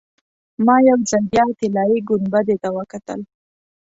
ما یو ځل بیا طلایي ګنبدې ته وکتل.